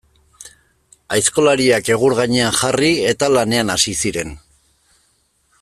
Aizkolariak egur gainean jarri, eta lanean hasi ziren.